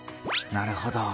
なるほど。